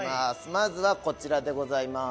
まずはこちらでございます。